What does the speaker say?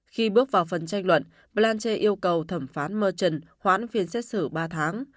khi bước vào phần tranh luận blanchie yêu cầu thẩm phán machen khoản phiên xét xử ba tháng